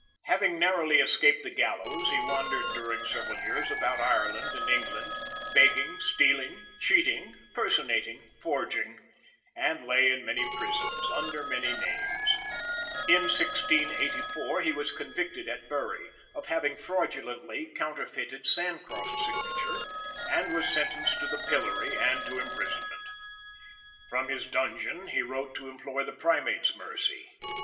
Having narrowly escaped the gallows, he wandered during several years about Ireland and England, begging, stealing, cheating, personating, forging, and lay in many prisons under many names. In 1684 he was convicted at Bury of having fraudulently counterfeited Sancroft's signature, and was sentenced to the pillory and to imprisonment. From his dungeon he wrote to implore the Primate's mercy.